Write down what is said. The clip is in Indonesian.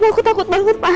aku takut banget pak